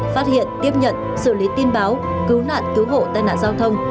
phát hiện tiếp nhận xử lý tin báo cứu nạn cứu hộ tai nạn giao thông